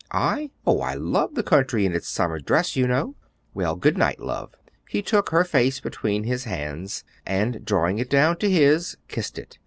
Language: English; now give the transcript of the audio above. "I? Oh, I love the country in its summer dress, you know." "Yes. Well, good night, love." He took her face between his hands, and drawing it down to his, kissed it.